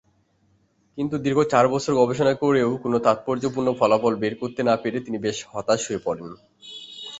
কিন্তু দীর্ঘ চার বছর গবেষণা করেও কোন তাৎপর্যপূর্ণ ফলাফল বের করতে না পেরে তিনি বেশ হতাশ হয়ে পড়েন।